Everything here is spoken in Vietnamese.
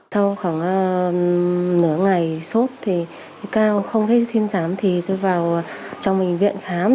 sau khoảng nửa ngày sốt thì cao không thấy sinh thám thì tôi vào trong bệnh viện khám